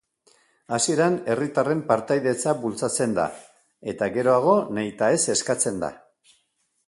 Hasieran, herritarren partaidetza bultzatzen da, eta geroago nahitaez eskatzen da.